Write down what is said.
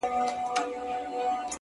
نن مي له زلمیو په دې خپلو غوږو واورېده!